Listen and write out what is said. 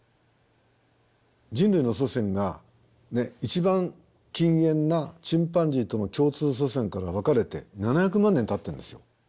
人類の祖先が一番近縁なチンパンジーとの共通祖先から分かれて７００万年たってるんですよ。